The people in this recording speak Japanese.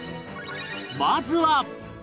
まずは